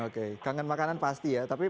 oke kangen makanan pasti ya tapi